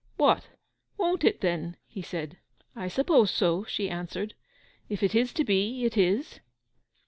'What, won't it, then?' he said. 'I suppose so,' she answered. 'If it is to be, it is.